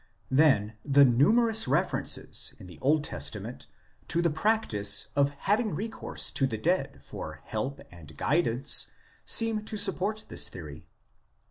1 Then the numerous references in the Old Testament to the practice of having recourse to the dead for help and guidance seem to support this theory.